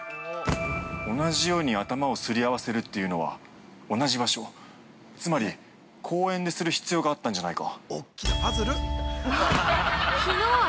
同じように頭をすり合わせるっていうのは、同じ場所、つまり公園でする必要があったんじゃないか。